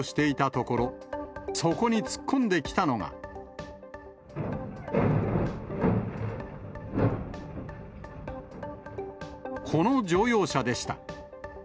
この乗用車でした。